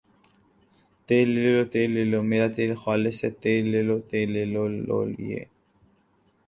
تیل لے لو ، تیل لے لو میرا تیل خالص ھے تیل لے لو تیل لے لو یہ آ